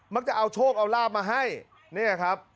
มักจะเอาโชคเอาราบมาให้นี่แหละครับ